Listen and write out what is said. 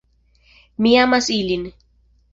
Mi amas ilin!